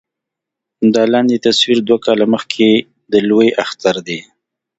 دا لاندې تصوير دوه کاله مخکښې د لوئے اختر دے